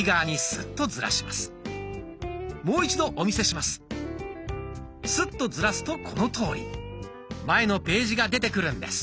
スッとずらすとこのとおり前のページが出てくるんです。